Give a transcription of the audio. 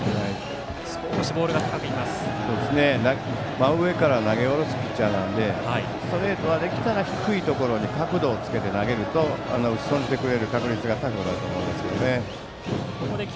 真上から投げ下ろすピッチャーなのでストレートはできたら低いところに角度をつけて投げると打ち損じてくれる確率が高くなると思います。